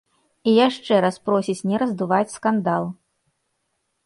І яшчэ раз просіць не раздуваць скандал.